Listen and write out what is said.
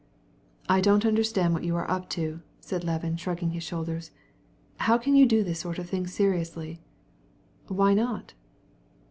"I don't understand what you are doing," said Levin, shrugging his shoulders. "How can you do it seriously?" "Why not?"